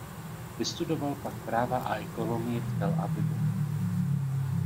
Vystudoval pak práva a ekonomii v Tel Avivu.